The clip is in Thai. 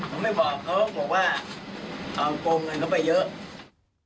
ผมไม่บอกเขาบอกว่าเอาโกงเงินเขาไปเยอะ